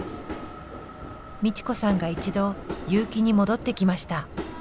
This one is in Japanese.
美智子さんが一度結城に戻ってきました。